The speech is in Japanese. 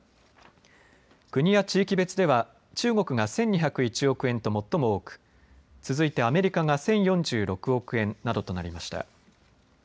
国や地域別では中国が１２０１億円と最も多く続いてアメリカが１０４６億円などとなりました。